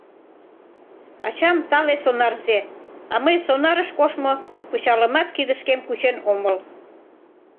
Ачам тале сонарзе, а мый сонарыш коштмо пычалымат кидышкем кучен омыл.